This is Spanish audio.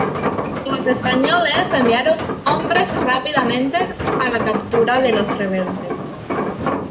Los españoles enviaron hombres rápidamente a la captura de los rebeldes.